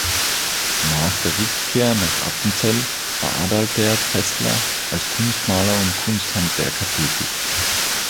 Nach der Rückkehr nach Appenzell war Adalbert Fässler als Kunstmaler und Kunsthandwerker tätig.